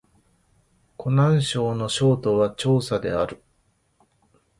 湖南省の省都は長沙である